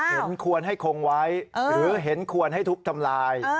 เห็นควรให้คงไว้หรือเห็นควรให้ทุบทำลาย